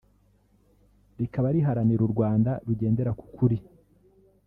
rikaba riharanira u Rwanda rugendera ku kuri